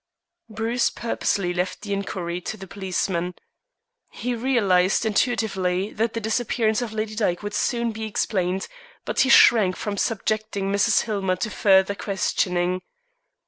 Bruce purposely left the inquiry to the policeman. He realized intuitively that the disappearance of Lady Dyke would soon be explained, but he shrank from subjecting Mrs. Hillmer to further questioning.